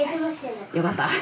よかった。